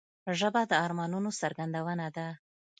ژبه د ارمانونو څرګندونه ده